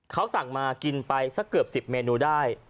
เขาสั่งมากินไปสักเกือบ๑๐เมนูได้